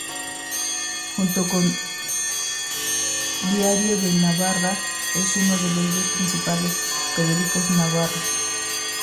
Junto con "Diario de Navarra", es uno de los dos principales periódicos navarros.